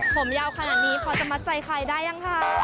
ผมยาวขนาดนี้พอจะมัดใจใครได้ยังคะ